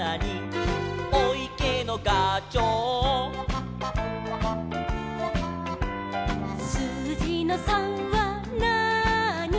「おいけのがちょう」「すうじの３はなーに」